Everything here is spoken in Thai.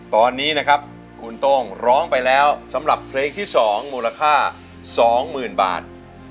ตอนนี้นะครับคุณโต้งร้องไปแล้วสำหรับเพลงที่๒มูลค่า๒๐๐๐บาท